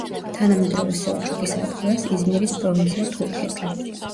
თანამედროვე სელჩუკის ადგილას, იზმირის პროვინცია, თურქეთი.